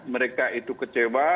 mereka itu kecewa